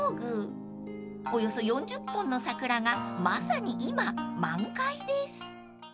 ［およそ４０本の桜がまさに今満開です］